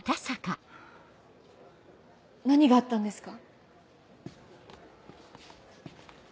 何があったんですか？